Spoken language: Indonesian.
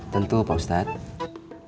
tentu pak ustadz